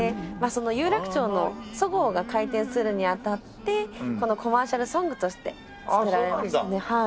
その有楽町のそごうが開店するにあたってこのコマーシャルソングとして作られましたね。